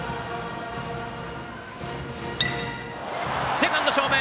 セカンド正面。